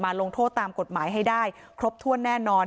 ลงโทษตามกฎหมายให้ได้ครบถ้วนแน่นอน